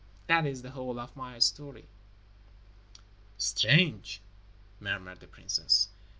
That is the whole of my history." "Strange," murmured the princess.